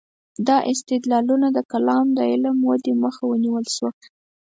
دا استدلالونه د کلام د علم ودې مخه ونه نیول شوه.